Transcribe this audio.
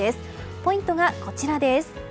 ポイントがこちらです。